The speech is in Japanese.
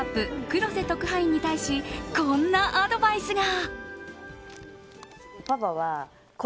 黒瀬特派員に対しこんなアドバイスが。